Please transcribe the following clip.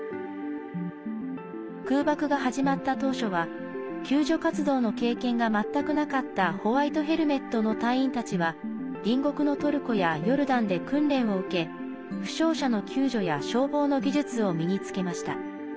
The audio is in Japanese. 空爆が始まった当初は救助活動の経験が全くなかったホワイト・ヘルメットの隊員たちは隣国のトルコやヨルダンで訓練を受け負傷者の救助や消防の技術を身につけました。